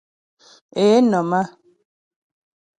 Ě nɔ̀m á.